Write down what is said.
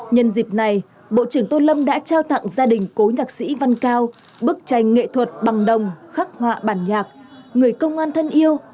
nhân dịp này bộ trưởng tô lâm đã trao tặng gia đình cố nhạc sĩ văn cao bức tranh nghệ thuật bằng đồng khắc họa bản nhạc người công an thân yêu